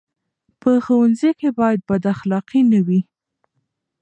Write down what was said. په ښوونځي کې باید بد اخلاقي نه وي.